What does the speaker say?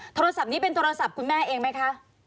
โทรศัพท์นี้เป็นโทรศัพท์คุณแม่เองไหมคะ